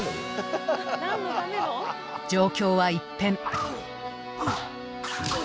状況は一変。